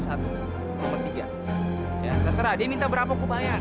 ya terserah dia minta berapa gue bayar